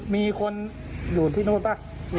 มีคนอยู่ที่นู่นป่ะ